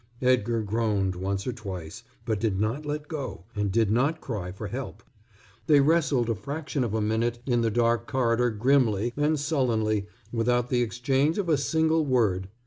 Edgar groaned once or twice, but did not let go, and did not cry for help. They wrestled a fraction of a minute in the dark corridor grimly and sullenly without the exchange of a single word.